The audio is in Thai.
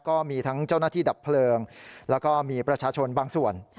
ก็มีทั้งเจ้าหน้าที่ดับเพลิงแล้วก็มีประชาชนบางส่วน